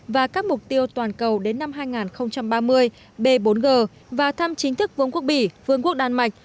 và các mục tiêu toàn cầu đến năm hai nghìn ba mươi b bốn g và thăm chính thức vương quốc bỉ vương quốc đan mạch